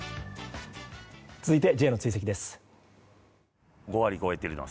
続いてＪの追跡です。